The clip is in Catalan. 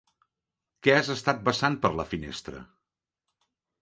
Què has estat vessant per la finestra?